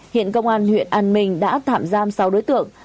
hiện công an huyện an minh đã tạm giam sáu đối tượng